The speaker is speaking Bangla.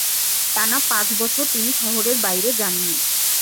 টানা পাঁচ বছর তিনি শহরের বাইরে যাননি।